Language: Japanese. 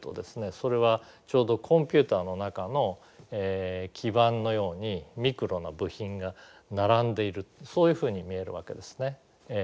それはちょうどコンピューターの中の基板のようにミクロな部品が並んでいるそういうふうに見えるわけですね。